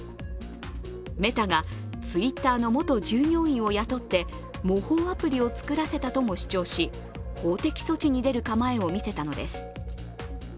メタがＴｗｉｔｔｅｒの元従業員を雇って模倣アプリを作らせたとも主張し、法的措置に出る構えも見せたのです。